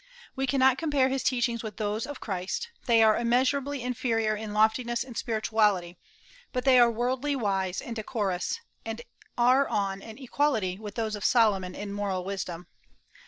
We cannot compare his teachings with those of Christ; they are immeasurably inferior in loftiness and spirituality; but they are worldly wise and decorous, and are on an equality with those of Solomon in moral wisdom.